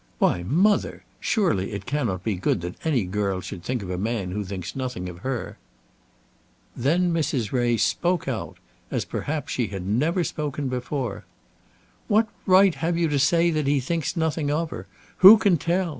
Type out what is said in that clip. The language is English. "Why, mother! Surely it cannot be good that any girl should think of a man who thinks nothing of her!" Then Mrs. Ray spoke out, as perhaps she had never spoken before. "What right have you to say that he thinks nothing of her? Who can tell?